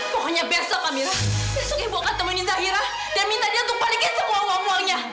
pokoknya besok kami besok ibu akan temuin zahira dan minta dia untuk balikin semua uang uangnya